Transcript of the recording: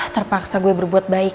terpaksa gue berbuat baik